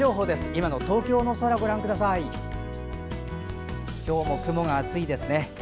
今日も雲が厚いですね。